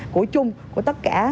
của chung của tất cả